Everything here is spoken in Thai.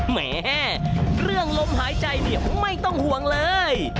แหมเรื่องลมหายใจเนี่ยไม่ต้องห่วงเลย